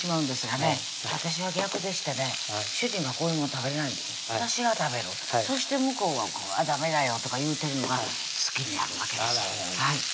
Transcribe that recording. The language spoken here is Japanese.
私は逆でしてね主人はこういうもん食べない私は食べるそして向こうは「僕はダメだよ」とか言うてるのが好きになるわけですいいですね